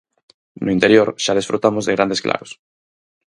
No interior xa desfrutamos de grandes claros.